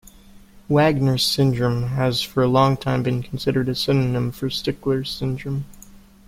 Wagner's syndrome has for a long time been considered a synonym for Stickler's syndrome.